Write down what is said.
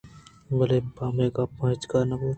بلئے پہ مئے گپاں ہچ کار نہ بوت